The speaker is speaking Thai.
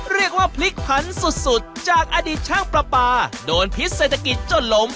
เรียกว่าพลิกผันสุดสุดจากอดีตช่างปลาปลาโดนพิษเศรษฐกิจจนล้ม